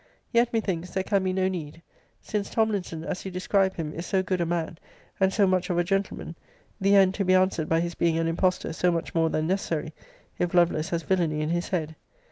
Yet, methinks, there can be no need; since Tomlinson, as you describe him, is so good a man, and so much of a gentleman; the end to be answered by his being an impostor so much more than necessary, if Lovelace has villany in his head.